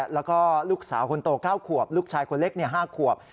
แล้วก็ลูกสาวคนโต๙ขวบลูกชายคนเล็ก๕ขวบ